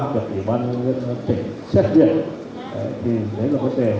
được ủy ban nhân dân tỉnh xét biệt